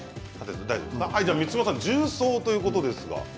満島さん、重曹ということですが。